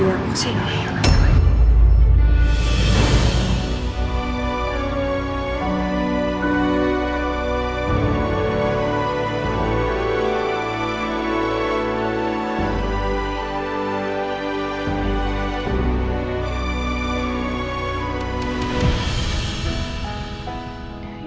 aku nampak kamu disini